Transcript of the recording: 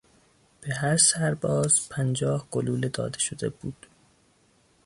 به هر سر باز پنجاه گلوله داده شده بود